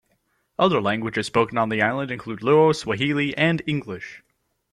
Other languages spoken on the island include Luo, Swahili, and English.